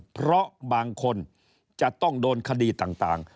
เพราะบางคนจะต้องโดนคดีต่าง